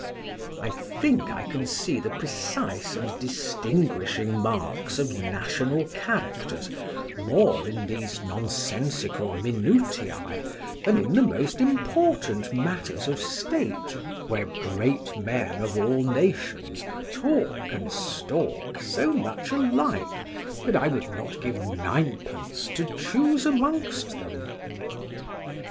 I think I can see the precise and distinguishing marks of national characters more in these nonsensical minutiæ than in the most important matters of state; where great men of all nations talk and stalk so much alike, that I would not give ninepence to choose amongst them.